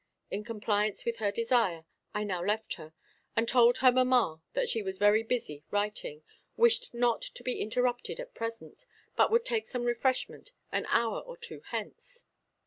In compliance with her desire, I now left her, and told her mamma that she was very busy writing, wished not to be interrupted at present, but would take some refreshment an hour or two hence.